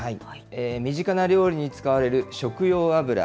身近な料理に使われる食用油。